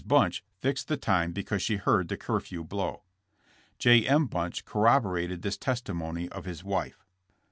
Bunch fixed the time because she heard the curfew blow. J. M. Bunch corroborated this testimony of his wife.